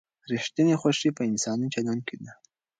ریښتینې خوښي په انساني چلند کې ده.